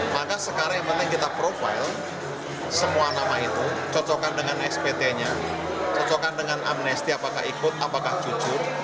maka sekarang yang penting kita profile semua nama itu cocokkan dengan spt nya cocokkan dengan amnesti apakah ikut apakah jujur